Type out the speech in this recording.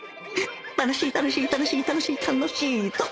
楽しい楽しい楽しい楽しい楽しいぞっ！